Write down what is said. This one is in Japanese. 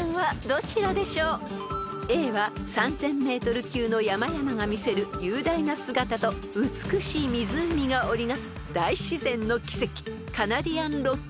［Ａは３，０００ｍ級の山々が見せる雄大な姿と美しい湖が織り成す大自然の奇跡］